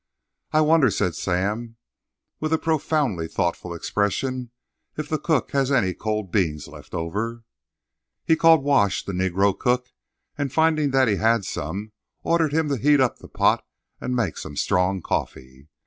"I wonder," said Sam, with a profoundly thoughtful expression, "if the cook has any cold beans left over!" He called Wash, the Negro cook, and finding that he had some, ordered him to heat up the pot and make some strong coffee.